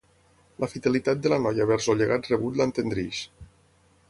La fidelitat de la noia vers el llegat rebut l'entendreix.